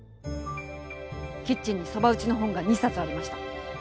キッチンにそば打ちの本が２冊ありました。